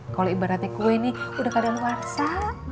kalau ibaratnya kue ini udah kadal warsa